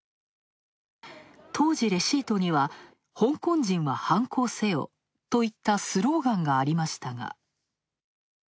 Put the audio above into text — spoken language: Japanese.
当時、レシートには「香港人は反抗せよ」といったスローガンがありましたが。